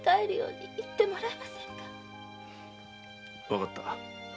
わかった。